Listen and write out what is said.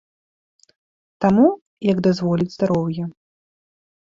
Таму, як дазволіць здароўе.